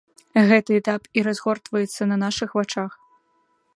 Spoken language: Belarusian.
Гэты этап і разгортваецца на нашых вачах.